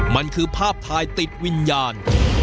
มันคือภาพถ่ายติดวิญญาณ